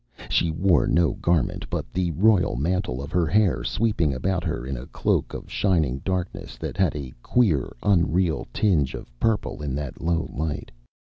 She wore no garment but the royal mantle of her hair, sweeping about her in a cloak of shining darkness that had a queer, unreal tinge of purple in that low light.